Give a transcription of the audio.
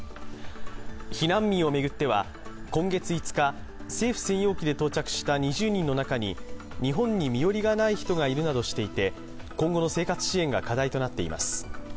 避難民を巡っては今月５日、政府専用機で到着した２０人の中に日本に身寄りがない人がいるなどしていて今後の生活支援が課題となっています。